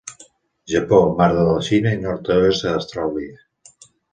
Japó, Mar de la Xina i nord-oest d'Austràlia.